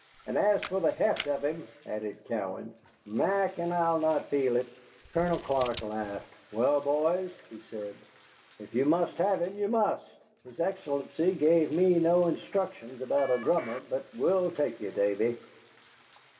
"And as for the heft of him," added Cowan, "Mac and I'll not feel it." Colonel Clark laughed. "Well, boys," he said, "if you must have him, you must. His Excellency gave me no instructions about a drummer, but we'll take you, Davy."